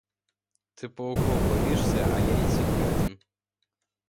Ты пауков боишься, а я этих гадин.